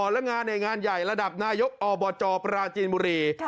และงานในงานใหญ่ระดับนายกอบจปราจีนบุรี